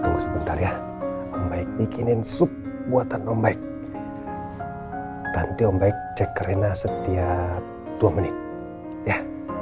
tunggu sebentar ya bikinin sup buatan om baik nanti om baik cek karena setiap dua menit ya